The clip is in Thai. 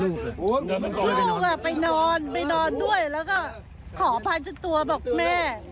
ลูกไปนอนด้วยแล้วก็ขอพาชัดตัวบอกแม่